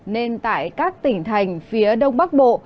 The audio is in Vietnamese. nên tại các tỉnh thành phía đông bắc bộ